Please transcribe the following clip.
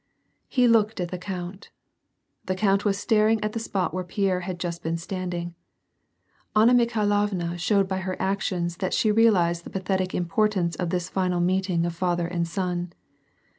He looked at the count. The count was staring at the spot where Pierre had just been standing. Anna Mikhailovna showed by her actions that she realized the pathetic impor tance of this final meeting of father and son.